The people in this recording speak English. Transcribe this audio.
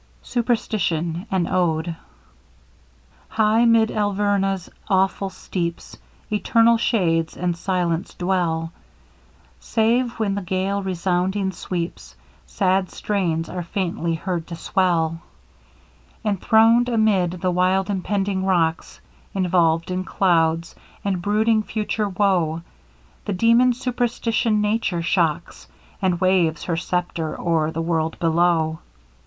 SUPERSTITION AN ODE High mid Alverna's awful steeps, Eternal shades, and silence dwell. Save, when the gale resounding sweeps, Sad strains are faintly heard to swell: Enthron'd amid the wild impending rocks, Involved in clouds, and brooding future woe, The demon Superstition Nature shocks, And waves her sceptre o'er the world below.